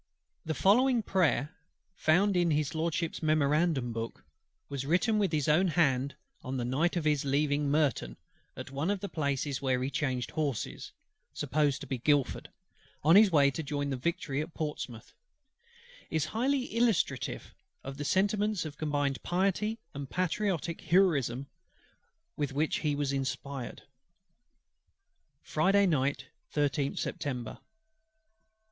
The following Prayer, found in HIS LORDSHIP'S memorandum book, and written with his own hand on the night of his leaving Merton, at one of the places where he changed horses (supposed to be Guildford) on his way to join the Victory at Portsmouth, is highly illustrative of those sentiments of combined piety and patriotic heroism with which he was inspired: "Friday Night, 13th September.